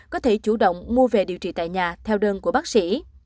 có thể chủ động mua về điều trị tại nhà theo đơn của bác sĩ